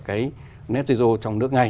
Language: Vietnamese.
cái net zero trong nước ngay